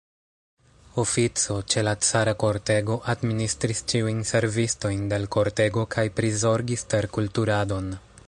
Ofico, ĉe la cara kortego, administris ĉiujn servistojn de l' kortego kaj prizorgis terkulturadon.